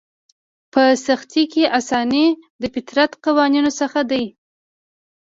په سختي کې اساني د فطرت قوانینو څخه دی.